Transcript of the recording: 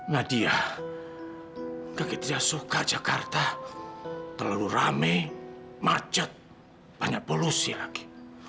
nadia ketika saya suka jakarta terlalu rame macet banyak polusi lagi